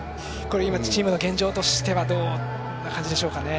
今、チームの現状としてはどんな感じでしょうか。